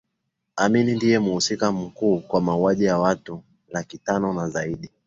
Amin ndiye mhusika mkuu kwa mauaji ya watu laki tano na zaidi